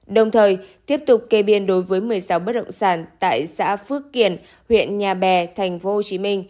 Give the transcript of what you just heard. đồng thời tiếp tục kê biên đối với một mươi sáu bất động sản tại xã phước kiển huyện nhà bè tp hcm